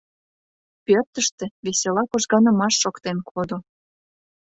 Пӧртыштӧ весела кожганымаш шоктен кодо.